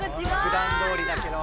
ふだんどおりだけど。